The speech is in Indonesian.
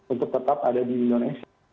untuk tetap ada di indonesia